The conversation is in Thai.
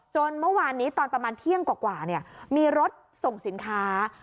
เมื่อวานนี้ตอนประมาณเที่ยงกว่ามีรถส่งสินค้า